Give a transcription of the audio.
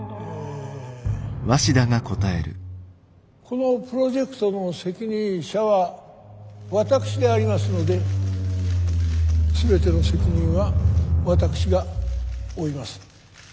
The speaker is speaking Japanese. このプロジェクトの責任者は私でありますので全ての責任は私が負います。